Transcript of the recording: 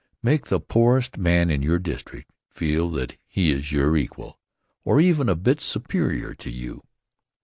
Make the poorest man in your district feel that he is your equal, or even a bit superior to you.